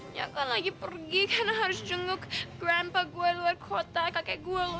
siakan lagi pergi kan harus jenguk grandpa gua luar kota kakek gua lo